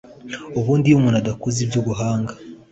ubundi iyo umuntu adakoze iby’ubuhanga